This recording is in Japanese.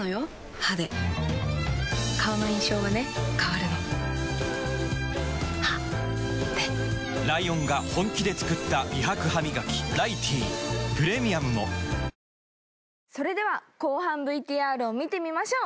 歯で顔の印象はね変わるの歯でライオンが本気で作った美白ハミガキ「ライティー」プレミアムもそれでは後半ＶＴＲを見てみましょう。